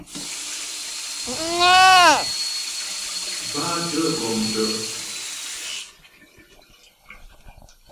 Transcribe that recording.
Bátə̀ gɔm tə'.